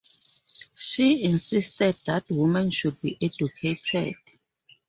She insisted that women should be educated.